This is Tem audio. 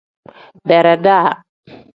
Beredaa.